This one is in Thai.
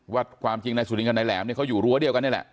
ความจริงนายสุรินกับนายแหลมเนี่ยเขาอยู่รั้วเดียวกันนี่แหละ